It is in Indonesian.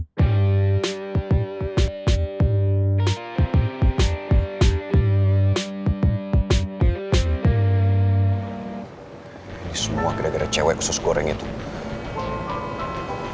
ini semua gara gara cewek khusus gorengnya tuh